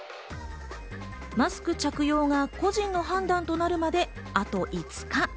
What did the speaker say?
マスク着用が個人の判断となるまで、あと５日。